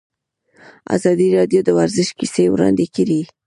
ازادي راډیو د ورزش کیسې وړاندې کړي.